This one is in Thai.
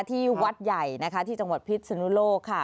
ที่วัดใหญ่นะคะที่จังหวัดพิษนุโลกค่ะ